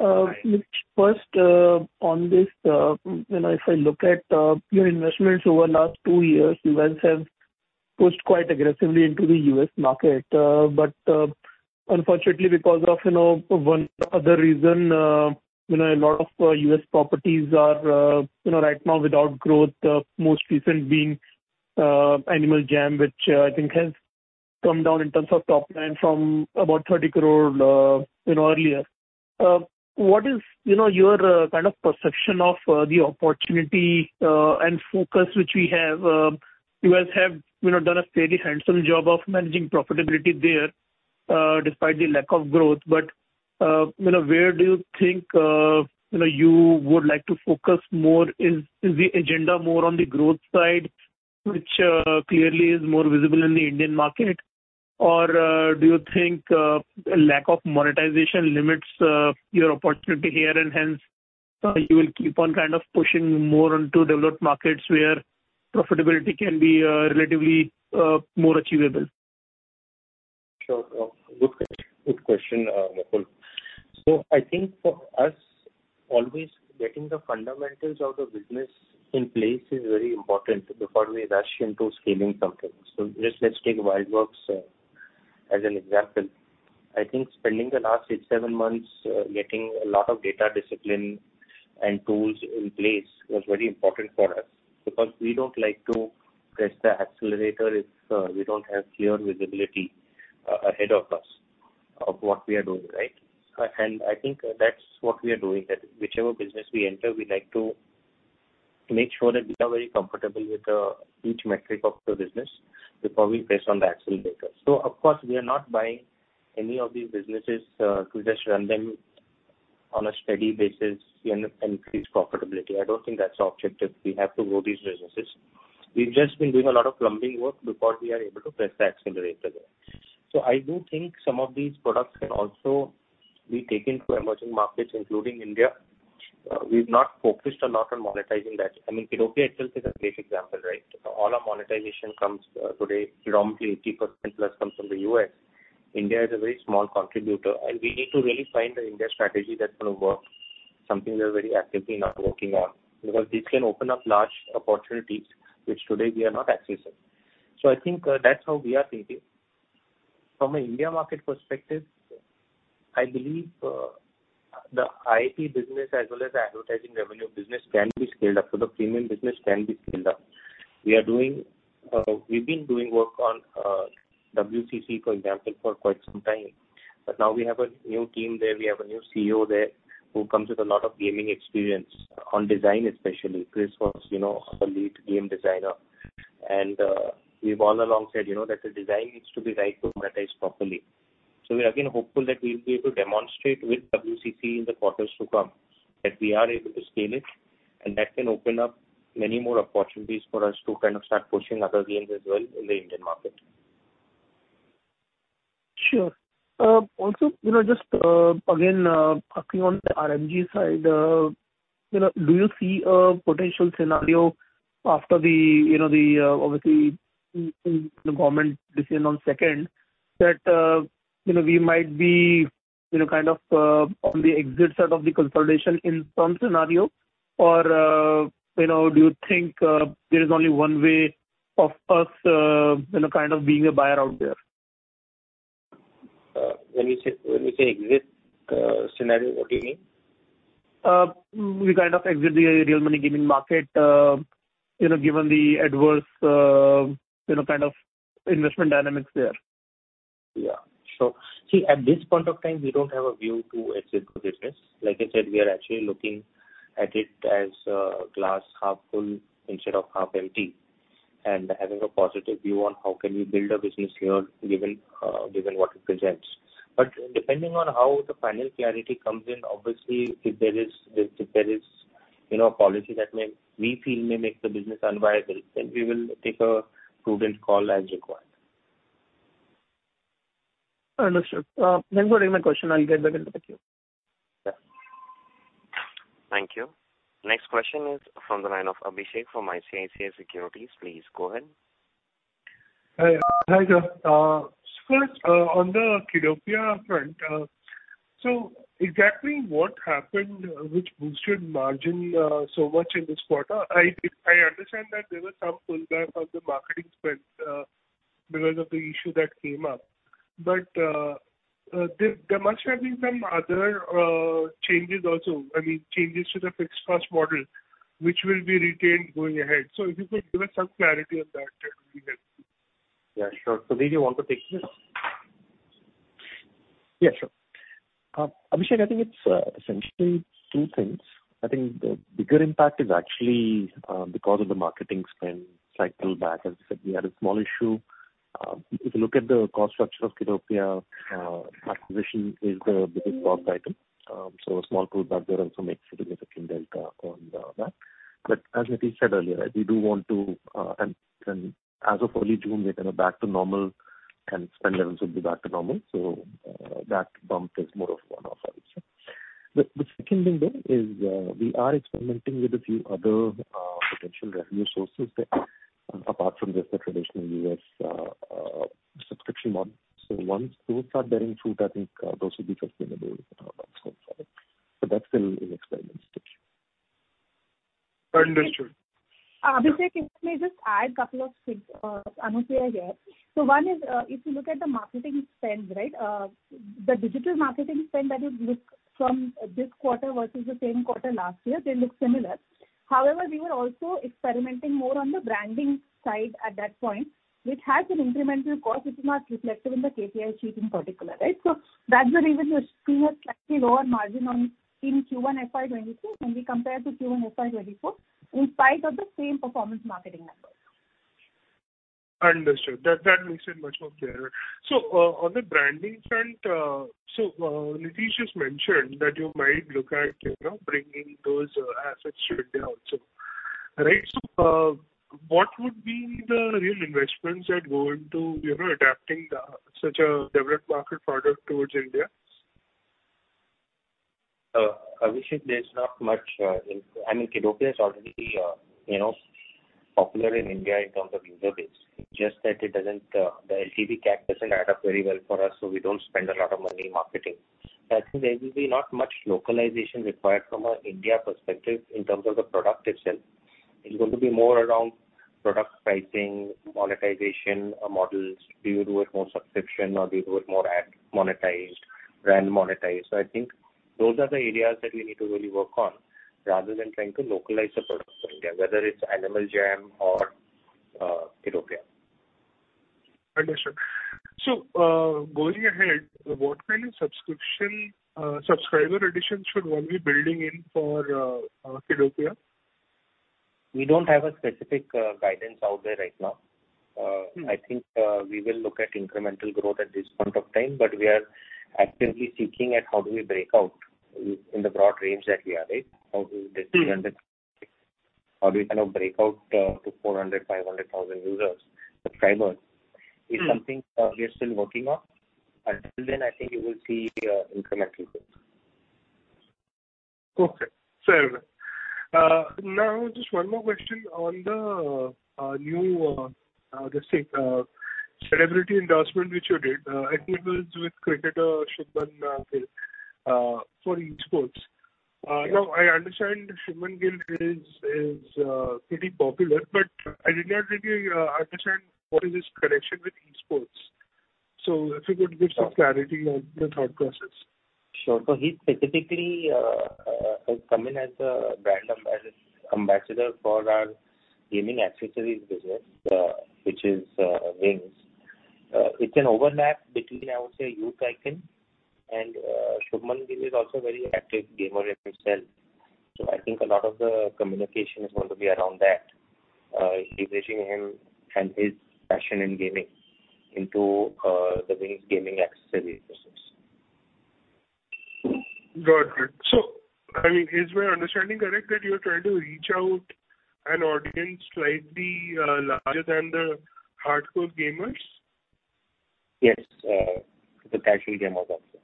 Hi. Nitish, first, on this, you know, if I look at, your investments over the last two years, you guys have pushed quite aggressively into the U.S. market. But, unfortunately, because of, you know, one other reason, you know, a lot of, U.S. properties are, you know, right now without growth, the most recent being, Animal Jam, which, I think has come down in terms of top line from about 30 crore, you know, earlier. What is, you know, your, kind of perception of, the opportunity, and focus which we have? You guys have, you know, done a fairly handsome job of managing profitability there, despite the lack of growth. But, you know, where do you think, you know, you would like to focus more? Is, is the agenda more on the growth side, which, clearly is more visible in the Indian market? Or, do you think, a lack of monetization limits, your opportunity here? And hence, you will keep on kind of pushing more onto developed markets where profitability can be, relatively, more achievable? Good question, Mukul. So I think for us, always getting the fundamentals of the business in place is very important before we rush into scaling something. So just let's take WildWorks, as an example. I think spending the last six-seven months, getting a lot of data discipline and tools in place was very important for us because we don't like to press the accelerator if we don't have clear visibility, ahead of us of what we are doing, right? And I think that's what we are doing that whichever business we enter, we like to make sure that we are very comfortable with, each metric of the business before we press on the accelerator. So, of course, we are not buying any of these businesses, to just run them on a steady basis and increase profitability. I don't think that's the objective. We have to grow these businesses. We've just been doing a lot of plumbing work before we are able to press the accelerator there. So I do think some of these products can also be taken to emerging markets, including India. We've not focused a lot on monetizing that. I mean, Kiddopia itself is a great example, right? All our monetization comes, today, predominantly 80%+ comes from the U.S. India is a very small contributor. And we need to really find an India strategy that's going to work, something we are very actively now working on because this can open up large opportunities, which today, we are not accessing. So I think, that's how we are thinking. From an India market perspective, I believe, the IP business as well as the advertising revenue business can be scaled up. The premium business can be scaled up. We are doing, we've been doing work on, WCC, for example, for quite some time. But now, we have a new team there. We have a new CEO there who comes with a lot of gaming experience on design, especially. Chris was, you know, a lead game designer. And, we've all along said, you know, that the design needs to be right to monetize properly. So we're, again, hopeful that we'll be able to demonstrate with WCC in the quarters to come that we are able to scale it. And that can open up many more opportunities for us to kind of start pushing other games as well in the Indian market. Sure. Also, you know, just, again, talking on the RMG side, you know, do you see a potential scenario after the, you know, the, obviously, the government decision on 2nd that, you know, we might be, you know, kind of, on the exit side of the consolidation in some scenario? Or, you know, do you think there is only one way of us, you know, kind of being a buyer out there? When you say exit scenario, what do you mean? We kind of exit the real money gaming market, you know, given the adverse, you know, kind of investment dynamics there. Yeah. Sure. See, at this point of time, we don't have a view to exit the business. Like I said, we are actually looking at it as glass half full instead of half empty and having a positive view on how can we build a business here given what it presents. But depending on how the final clarity comes in, obviously, if there is, you know, a policy that we feel may make the business unviable, then we will take a prudent call as required. Understood. Thanks for taking my question. I'll get back into the queue. Yeah. Thank you. Next question is from the line of Abhishek from ICICI Securities. Please go ahead. Hi. Hi, sir. First, on the Kiddopia front, so exactly what happened, which boosted margin so much in this quarter? I understand that there was some pullback on the marketing spend, because of the issue that came up. But there must have been some other changes also, I mean, changes to the fixed cost model, which will be retained going ahead. So if you could give us some clarity on that, that would be helpful. Yeah. Sure. So did you want to take this? Yeah. Sure. Abhishek, I think it's, essentially two things. I think the bigger impact is actually, because of the marketing spend cycle back. As I said, we had a small issue. If you look at the cost structure of Kiddopia, acquisition is the biggest cost item. So a small pullback there also makes it a significant delta on, that. But as Nitish said earlier, right, we do want to, and, and as of early June, we're kind of back to normal, and spend levels will be back to normal. So, that bump is more of one-off, I would say. The, the second thing, though, is, we are experimenting with a few other, potential revenue sources there, apart from just the traditional U.S., subscription model. So once those start bearing fruit, I think, those will be sustainable, once going forward. But that's still in experiment stage. Understood. Abhishek, if I may just add a couple of things, Anupriya here. So one is, if you look at the marketing spend, right, the digital marketing spend that you look from this quarter versus the same quarter last year, they look similar. However, we were also experimenting more on the branding side at that point, which has an incremental cost, which is not reflective in the KPI sheet in particular, right? So that's the reason we're seeing a slightly lower margin on in Q1 FY23 when we compare to Q1 FY24 in spite of the same performance marketing numbers. Understood. That makes it much clearer. So, on the branding front, Nitish just mentioned that you might look at, you know, bringing those assets to India also, right? So, what would be the real investments that go into, you know, adapting such a developed market product towards India? Abhishek, there's not much, in I mean, Kiddopia is already, you know, popular in India in terms of user base. It's just that it doesn't, the LTV cap doesn't add up very well for us. So we don't spend a lot of money marketing. So I think there will be not much localization required from an India perspective in terms of the product itself. It's going to be more around product pricing, monetization, models. Do you do it more subscription, or do you do it more ad-monetized, brand-monetized? So I think those are the areas that we need to really work on rather than trying to localize the product to India, whether it's Animal Jam or, Kiddopia. Understood. So, going ahead, what kind of subscription, subscriber additions should one be building in for, Kiddopia? We don't have a specific guidance out there right now. I think we will look at incremental growth at this point of time. But we are actively seeking at how do we break out in the broad range that we are, right? How do we kind of break out to 400,000-500,000 users, subscribers is something we are still working on. Until then, I think you will see incremental growth. Okay. Fair enough. Now, just one more question on the new, let's say, celebrity endorsement which you did. I think it was with cricketer Shubman Gill, for eSports. Now, I understand Shubman Gill is pretty popular. But I did not really understand what is his connection with eSports. So if you could give some clarity on the thought process. Sure. So he specifically has come in as a brand ambassador for our gaming accessories business, which is Wings. It's an overlap between, I would say, a youth icon. And Shubman Gill is also a very active gamer himself. So I think a lot of the communication is going to be around that, leveraging him and his passion in gaming into the Wings gaming accessories business. Got it. So, I mean, is my understanding correct that you're trying to reach out an audience slightly larger than the hardcore gamers? Yes. The casual gamers also.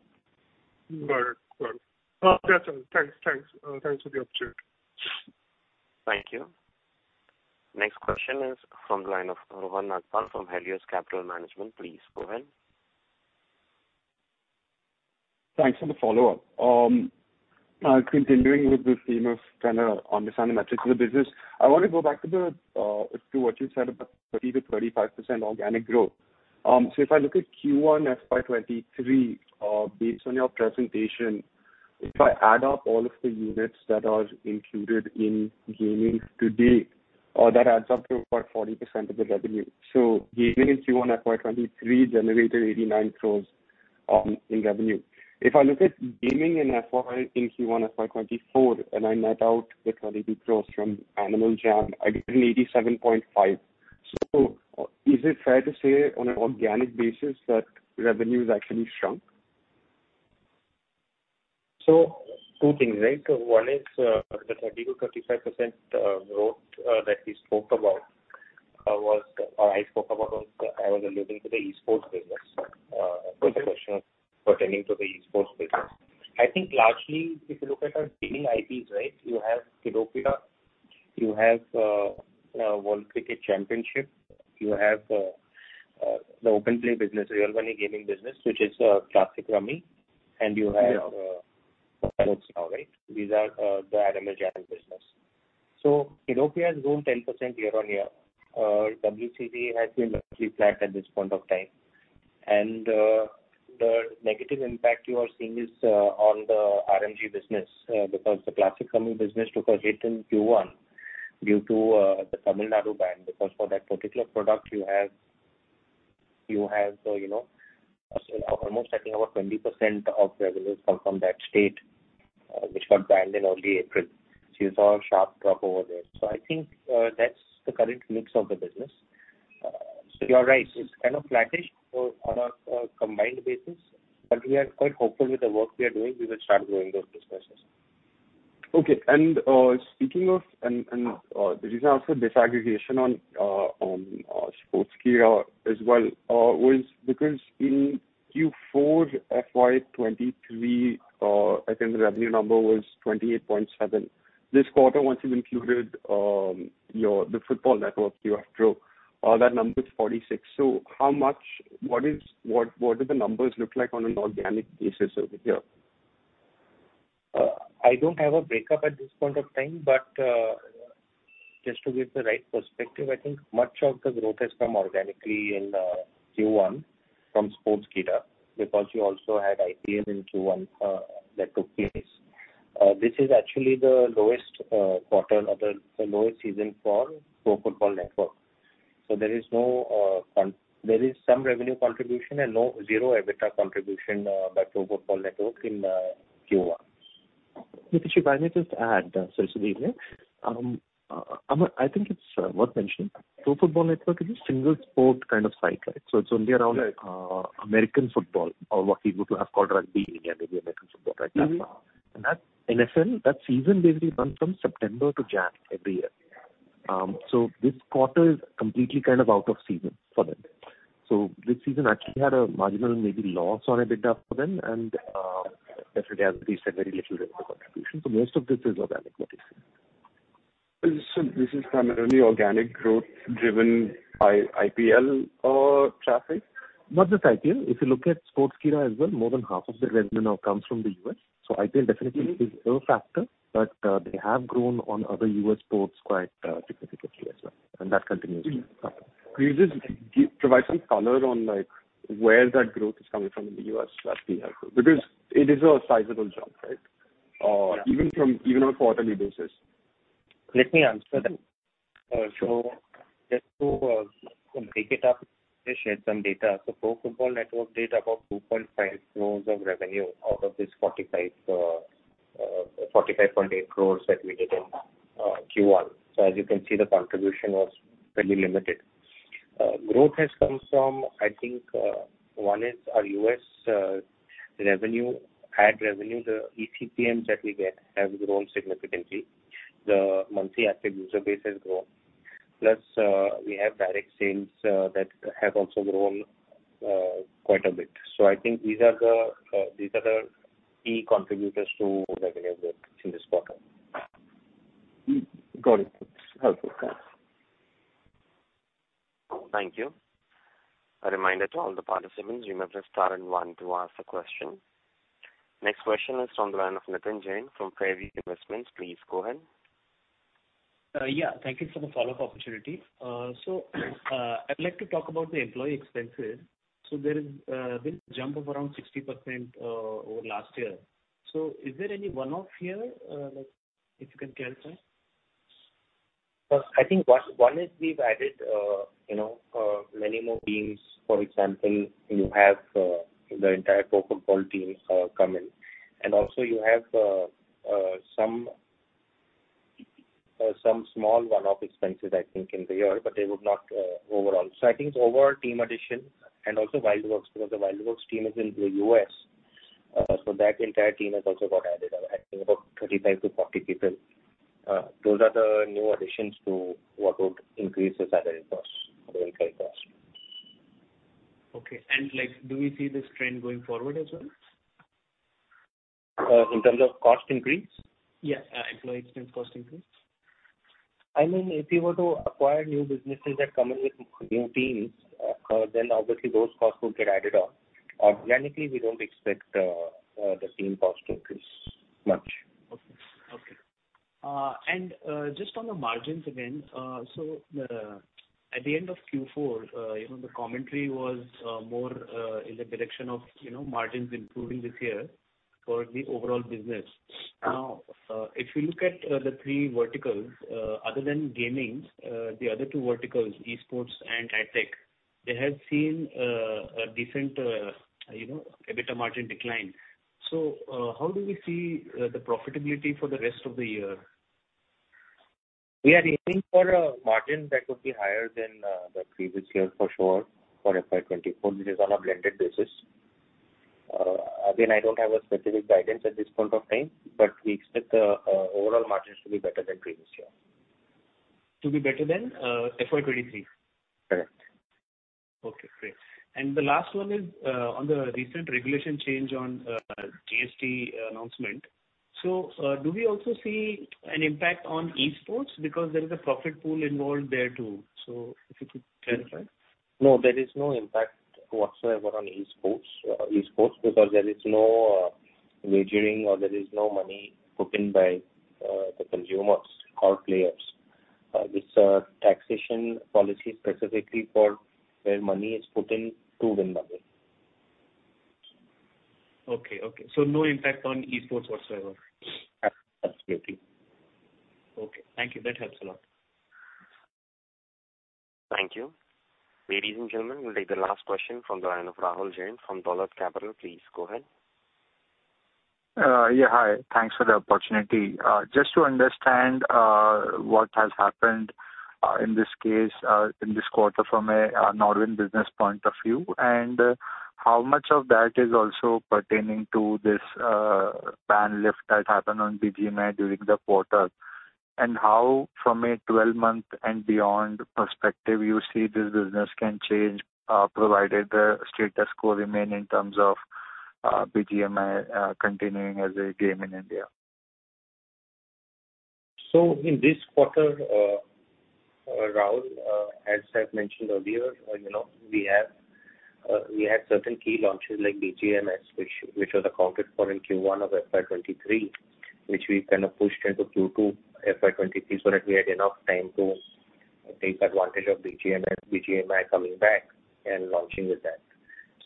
Got it. Got it. That's all. Thanks. Thanks. Thanks for the update. Thank you. Next question is from the line of Rohan Nagpal from Helios Capital Management. Please go ahead. Thanks for the follow-up. Continuing with the theme of kind of understanding the metrics of the business, I want to go back to what you said about 30%-35% organic growth. So if I look at Q1 FY23, based on your presentation, if I add up all of the units that are included in gaming today, that adds up to about 40% of the revenue. So gaming in Q1 FY23 generated 89 crore in revenue. If I look at gaming in Q1 FY24, and I net out the 22 crore from Animal Jam, I get an 87.5 crore. So, is it fair to say on an organic basis that revenue's actually shrunk? So two things, right? So one is, the 30%-35% growth that we spoke about, was or I spoke about was I was alluding to the eSports business, as a question of pertaining to the eSports business. I think largely, if you look at our gaming IPs, right, you have Kiddopia. You have World Cricket Championship. You have the OpenPlay business, real money gaming business, which is Classic Rummy. And you have. Yeah. What's now, right? These are the Animal Jam business. So Kiddopia has grown 10% year-on-year. WCC has been largely flat at this point of time. And the negative impact you are seeing is on the RMG business, because the Classic Rummy business took a hit in Q1 due to the Tamil Nadu ban. Because for that particular product, you have, you know, almost, I think, about 20% of revenues come from that state, which got banned in early April. So you saw a sharp drop over there. So I think that's the current mix of the business. So you're right. It's kind of flattish on a combined basis. But we are quite hopeful with the work we are doing, we will start growing those businesses. Okay. Speaking of, the reason I asked for disaggregation on Sportskeeda as well was because in Q4 FY23, I think the revenue number was 28.7. This quarter, once you've included the Pro Football Network though, that number is 46. So, what do the numbers look like on an organic basis over here? I don't have a breakdown at this point of time. But just to give the right perspective, I think much of the growth is from organically in Q1 from Sportskeeda because you also had IPs in Q1 that took place. This is actually the lowest quarter or the lowest season for Pro Football Network. So there is some revenue contribution and zero EBITDA contribution by Pro Football Network in Q1. Abhishek, if I may just add, sorry, Sudhir, yeah? I think it's worth mentioning. Pro Football Network is a single-sport kind of site, right? So it's only around. Right. American football or what we would have called rugby in India, maybe American football, right? Mm-hmm. That's fine. That NFL, that season basically runs from September to January every year. So this quarter is completely kind of out of season for them. So this season actually had a marginal, maybe, loss on EBITDA for them. Definitely, as we said, very little revenue contribution. So most of this is organic, what you see. Is this? So this is primarily organic growth driven by IPL traffic? Not just IPL. If you look at Sportskeeda as well, more than half of the revenue now comes from the U.S. So IPL definitely is a factor. But, they have grown on other U.S. sports quite, significantly as well. And that continues to happen. Could you just give some color on, like, where that growth is coming from in the U.S.? That would be helpful because it is a sizable jump, right? Even on a quarterly basis. Let me answer that. So just to, to break it up, Abhishek, some data. So Pro Football Network did about 2.5 crores of revenue out of this 45-45.8 crores that we did in Q1. So as you can see, the contribution was fairly limited. Growth has come from, I think, one is our U.S. revenue, ad revenue. The eCPMs that we get have grown significantly. The monthly active user base has grown. Plus, we have direct sales that have also grown quite a bit. So I think these are the, these are the key contributors to revenue growth in this quarter. Got it. That's helpful. Thanks. Thank you. A reminder to all the participants, you may press star and one to ask the question. Next question is from the line of Nitin Jain from Fairtree Capital. Please go ahead. Yeah. Thank you for the follow-up opportunity. So, I'd like to talk about the employee expenses. So there is, been a jump of around 60% over last year. So is there any one-off here, like, if you can clarify? I think one is we've added, you know, many more teams. For example, you have the entire Pro Football team come in. And also, you have some small one-off expenses, I think, in the year. But they would not overall. So I think overall team addition and also WildWorks because the WildWorks team is in the U.S., so that entire team has also got added, I think, about 35-40 people. Those are the new additions to what would increase this admin cost, the employee cost. Okay. And, like, do we see this trend going forward as well? In terms of cost increase? Yes. Employee expense cost increase. I mean, if you were to acquire new businesses that come in with new teams, then obviously, those costs would get added on. Organically, we don't expect the team cost to increase much. Okay. Okay. And, just on the margins again, so, at the end of Q4, you know, the commentary was more in the direction of, you know, margins improving this year for the overall business. Now, if you look at the three verticals, other than gaming, the other two verticals, eSports and ad tech, they have seen a decent, you know, EBITDA margin decline. So, how do we see the profitability for the rest of the year? We are aiming for a margin that would be higher than the previous year for sure for FY24, which is on a blended basis. Again, I don't have a specific guidance at this point of time. But we expect the overall margins to be better than previous year. To be better than FY2023? Correct. Okay. Great. And the last one is on the recent regulation change on GST announcement. So, do we also see an impact on eSports because there is a profit pool involved there too? So if you could clarify. No, there is no impact whatsoever on esports, esports because there is no wagering or there is no money put in by the consumers or players. It's a taxation policy specifically for where money is put in to win money. Okay. Okay. So no impact on eSports whatsoever? Absolutely. Okay. Thank you. That helps a lot. Thank you. Ladies and gentlemen, we'll take the last question from the line of Rahul Jain from Dolat Capital. Please go ahead. Yeah. Hi. Thanks for the opportunity. Just to understand, what has happened, in this case, in this quarter from a, NODWIN business point of view and, how much of that is also pertaining to this, ban lift that happened on BGMI during the quarter and how, from a 12-month and beyond perspective, you see this business can change, provided the status quo remain in terms of, BGMI, continuing as a game in India? So in this quarter, Rahul, as I've mentioned earlier, you know, we had certain key launches like BGMS, which was accounted for in Q1 of FY23, which we kind of pushed into Q2 FY23 so that we had enough time to take advantage of BGMS, BGMI coming back and launching with that.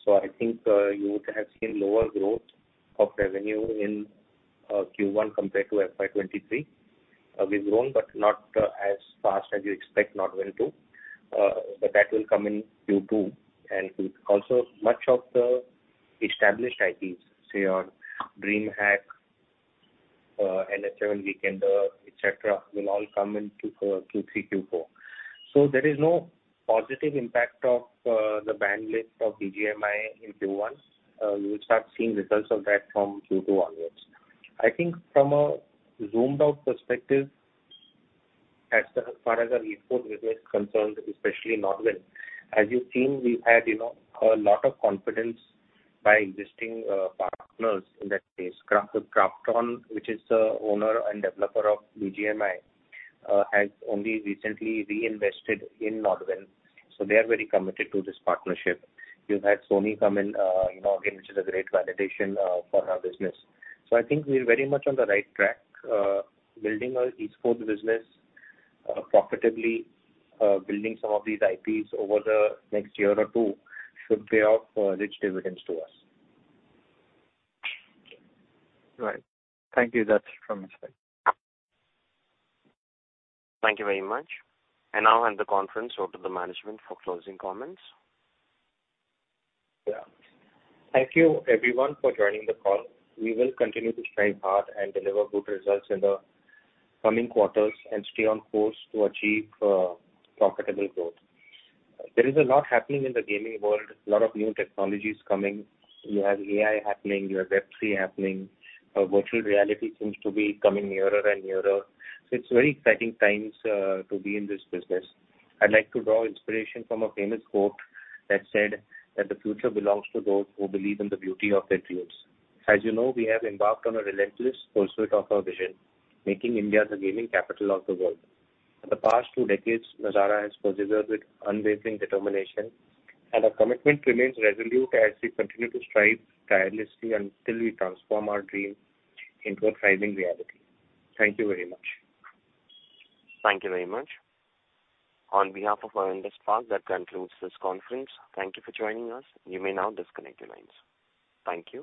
So I think you would have seen lower growth of revenue in Q1 compared to FY23. We've grown but not as fast as you expect, NODWIN too. But that will come in Q2. And also, much of the established IPs, say, our DreamHack, NH7 Weekender, etc., will all come into Q3, Q4. So there is no positive impact of the ban lift of BGMI in Q1. You will start seeing results of that from Q2 onwards. I think from a zoomed-out perspective, as far as our eSports business is concerned, especially NODWIN, as you've seen, we've had, you know, a lot of confidence by existing, partners in that case. KRAFTON, which is the owner and developer of BGMI, has only recently reinvested in NODWIN. So they are very committed to this partnership. You've had Sony come in, you know, again, which is a great validation, for our business. So I think we're very much on the right track, building our eSports business, profitably, building some of these IPs over the next year or two should pay off, rich dividends to us. Right. Thank you. That's from us, thank you. Thank you very much. Now I'll hand the conference over to the management for closing comments. Yeah. Thank you, everyone, for joining the call. We will continue to strive hard and deliver good results in the coming quarters and stay on course to achieve profitable growth. There is a lot happening in the gaming world, a lot of new technologies coming. You have AI happening. You have Web3 happening. Virtual reality seems to be coming nearer and nearer. So it's very exciting times to be in this business. I'd like to draw inspiration from a famous quote that said that the future belongs to those who believe in the beauty of their dreams. As you know, we have embarked on a relentless pursuit of our vision, making India the gaming capital of the world. For the past two decades, Nazara has persevered with unwavering determination. Our commitment remains resolute as we continue to strive tirelessly until we transform our dream into a thriving reality. Thank you very much. Thank you very much. On behalf of Avendus Spark, that concludes this conference. Thank you for joining us. You may now disconnect your lines. Thank you.